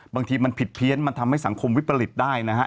บางทีมันผิดเพี้ยนมันทำให้สังคมวิปริตได้นะฮะ